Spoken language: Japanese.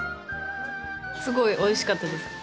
すごいおいしかったです。